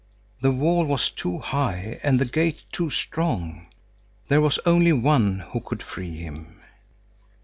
The wall was too high and the gate too strong. There was only one who could free him.